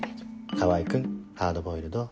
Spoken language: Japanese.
川合君ハードボイルド。